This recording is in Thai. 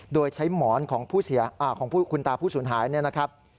โดยใช้หมอนของคุณตาผู้สูญหายเนี่ยนะครับ